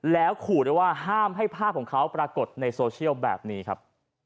แล้วขู่ด้วยว่าห้ามให้ภาพของเขาปรากฏในโซเชียลแบบนี้ครับ